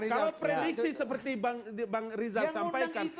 kalau prediksi seperti bang rizal sampaikan